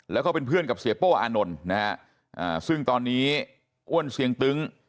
แล้วก็เป็นเพื่อนกับเสียโป้อานนท์นะฮะซึ่งตอนนี้อ้วนเสียงตึ้ง